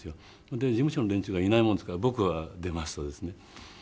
で事務所の連中がいないもんですから僕が出ますとですね